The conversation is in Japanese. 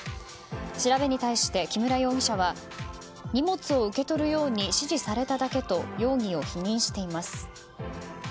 調べに対して、木村容疑者は荷物を受け取るように指示されただけと容疑を否認しています。